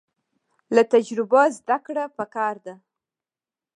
له تجربو زده کړه پکار ده